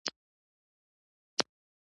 ایا زما پښتورګي به فلج شي؟